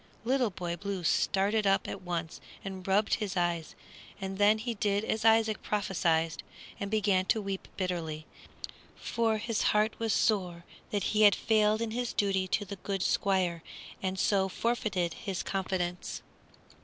Little Boy Blue started up at once and rubbed his eyes; and then he did as Isaac prophesied, and began to weep bitterly, for his heart was sore that he had failed in his duty to the good Squire and so forfeited his confidence.